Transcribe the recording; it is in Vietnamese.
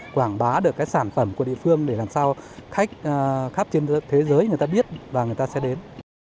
quảng bá được cái sản phẩm của địa phương để làm sao khách khắp trên thế giới người ta biết và người ta sẽ đến